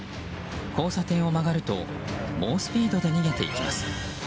交差点を曲がると猛スピードで逃げていきます。